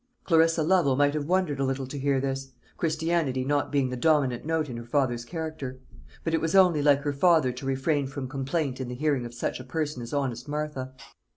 Clarissa Lovel might have wondered a little to hear this Christianity not being the dominant note in her father's character; but it was only like her father to refrain from complaint in the hearing of such a person as honest Martha.